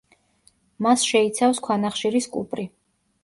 მას შეიცავს ქვანახშირის კუპრი.